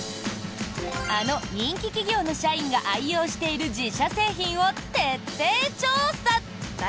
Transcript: あの人気企業の社員が愛用している自社製品を徹底調査。